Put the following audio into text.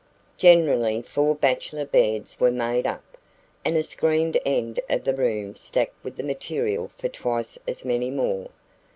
Generally four bachelor beds were made up, and a screened end of the room stacked with the material for twice as many more.